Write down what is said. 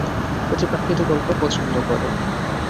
অতিপ্রাকৃত গল্প পছন্দ করে।